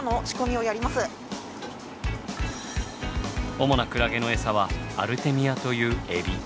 主なクラゲのエサはアルテミアというエビ。